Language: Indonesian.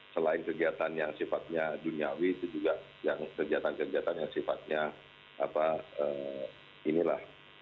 selain kegiatan yang sifatnya duniawi itu juga yang kegiatan kegiatan yang sifatnya inilah